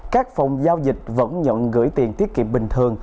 các phòng giao dịch vẫn nhận gửi tiền tiết kiệm bình thường